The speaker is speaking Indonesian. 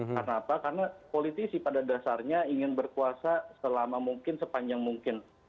karena apa karena politisi pada dasarnya ingin berkuasa selama mungkin sepanjang mungkin